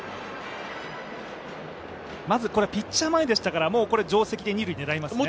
まず、ピッチャー前でしたから定石で二塁狙いますね。